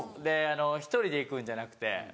１人で行くんじゃなくてもう仲間。